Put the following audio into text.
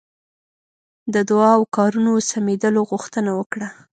د دعا او کارونو سمېدلو غوښتنه وکړه.